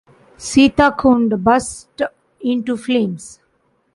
"Sitakund" burst into flames.